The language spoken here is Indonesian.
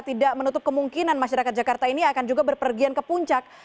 tidak menutup kemungkinan masyarakat jakarta ini akan juga berpergian ke puncak